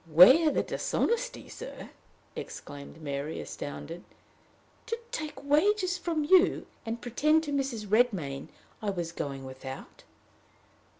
"Where the dishonesty, sir!" exclaimed Mary, astounded. "To take wages from you, and pretend to Mrs. Redmain I was going without!"